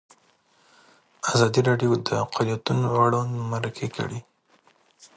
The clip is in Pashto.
ازادي راډیو د اقلیتونه اړوند مرکې کړي.